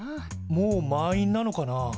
もう満員なのかな？